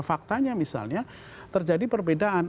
faktanya misalnya terjadi perbedaan